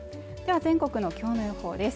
は全国の今日の予報です